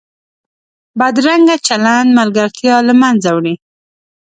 بدرنګه چلند ملګرتیا له منځه وړي